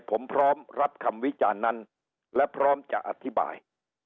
ผมพร้อมรับคำวิจารณ์นั้นและพร้อมจะอธิบาย